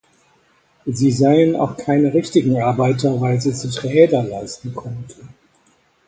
Sie seien auch keine richtigen Arbeiter, weil sie sich Räder leisten konnten.